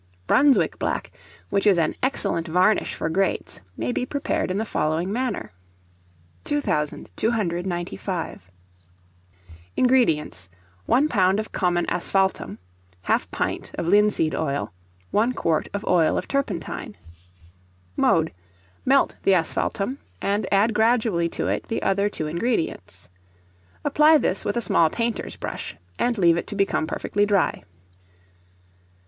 Brunswick black, which is an excellent varnish for grates, may be prepared in the following manner: [Illustration: STOVE BRUSHES.] [Illustration: HOUSEMAID'S BOX.] 2295. INGREDIENTS. 1 lb. of common asphaltum, 1/2 pint of linseed oil, 1 quart of oil of turpentine. Mode. Melt the asphaltum, and add gradually to it the other two ingredients. Apply this with a small painter's brush, and leave it to become perfectly dry.